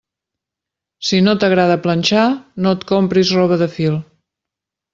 Si no t'agrada planxar, no et compris roba de fil.